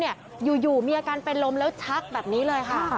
แต่พอคุยเสร็จปุ๊บอยู่มีอาการเป็นลมแล้วชักแบบนี้เลยค่ะ